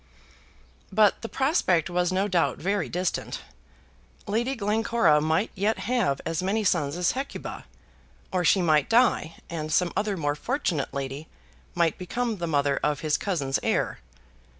But the prospect was no doubt very distant. Lady Glencora might yet have as many sons as Hecuba. Or she might die, and some other more fortunate lady might become the mother of his cousin's heir.